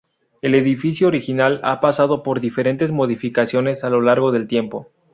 El edificio original ha pasado por diferentes modificaciones a lo largo del tiempo.